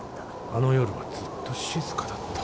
あの夜はずっと静かだった。